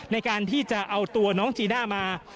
ในการที่จะเอาตัวน้องจีน่ามา